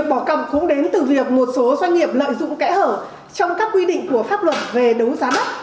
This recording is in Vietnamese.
cậu cũng đến từ việc một số doanh nghiệp lợi dụng kẻ hở trong các quy định của pháp luật về đấu giá đất